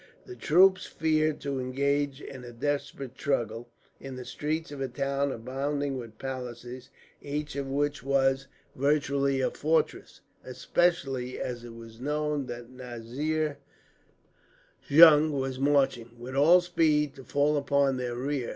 The troops feared to engage in a desperate struggle, in the streets of a town abounding with palaces, each of which was virtually a fortress; especially as it was known that Nazir Jung was marching, with all speed, to fall upon their rear.